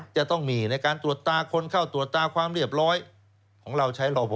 จะต้องมีในการตรวจตาคนเข้าตรวจตาความเรียบร้อยของเราใช้รอพอ